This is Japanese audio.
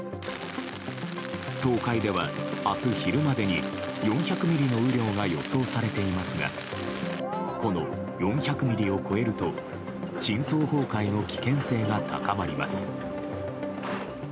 東海では明日昼までに４００ミリの雨量が予想されていますがこの４００ミリを超えると深層崩壊の危険性が高まります。